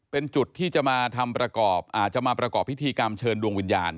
เป็นจุดที่จะมาทำประกอบอาจจะมาประกอบพิธีกรรมเชิญดวงวิญญาณ